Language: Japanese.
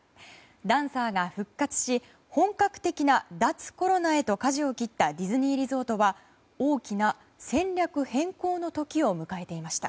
ダンサーが復活し本格的な脱コロナへとかじを切ったディズニーリゾートは大きな戦略変更の時を迎えていました。